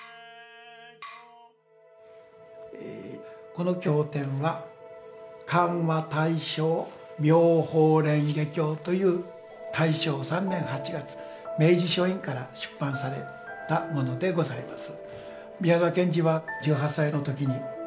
この経典は「漢和対照妙法蓮華経」という大正３年８月明治書院から出版されたものでございます。